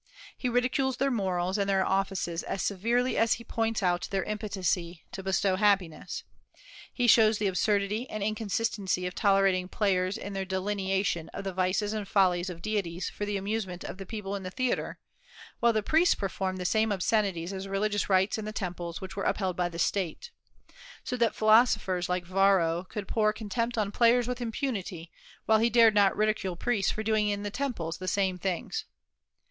He ridicules their morals and their offices as severely as he points out their impotency to bestow happiness. He shows the absurdity and inconsistency of tolerating players in their delineation of the vices and follies of deities for the amusement of the people in the theatre, while the priests performed the same obscenities as religious rites in the temples which were upheld by the State; so that philosophers like Varro could pour contempt on players with impunity, while he dared not ridicule priests for doing in the temples the same things.